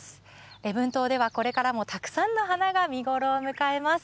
礼文島ではこれからもたくさんの花が見頃を迎えます。